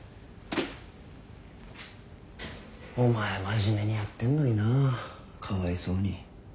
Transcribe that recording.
真面目にやってんのになかわいそうに。